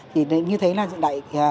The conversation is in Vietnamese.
thì như thế là diện đại